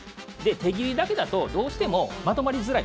手切りだけだとどうしてもまとまりづらい